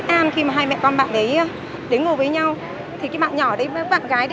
lần này hai mẹ con ngồi cạnh một cô gái trẻ